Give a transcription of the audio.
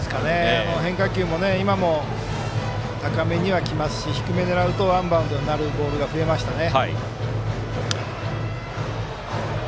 今も、変化球が高めに来ていますし低めを狙うとワンバウンドになるボールが増えてきましたね。